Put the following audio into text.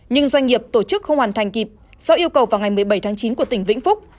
nhưng doanh nghiệp tổ chức không hoàn thành kịp sau yêu cầu vào ngày một mươi bảy tháng chín của tỉnh vĩnh phúc